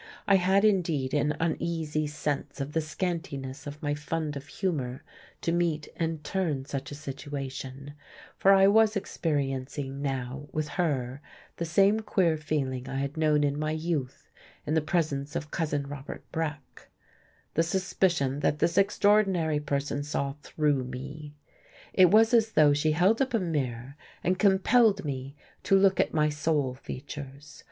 I had, indeed, an uneasy sense of the scantiness of my fund of humour to meet and turn such a situation; for I was experiencing, now, with her, the same queer feeling I had known in my youth in the presence of Cousin Robert Breck the suspicion that this extraordinary person saw through me. It was as though she held up a mirror and compelled me to look at my soul features.